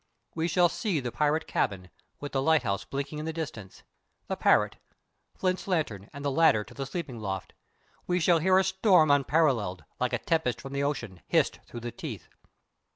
We shall see the pirate cabin, with the lighthouse blinking in the distance, the parrot, Flint's lantern and the ladder to the sleeping loft. We shall hear a storm unparalleled, like a tempest from the ocean hissed through the teeth.